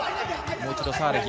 もう一度、サーレヒ。